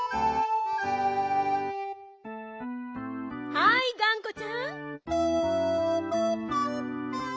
はいがんこちゃん。